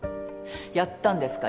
やったんですか？